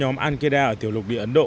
ba nhóm ankeda ở tiểu lục địa ấn độ